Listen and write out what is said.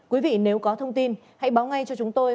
quý vị nếu có thông tin hãy báo ngay cho chúng tôi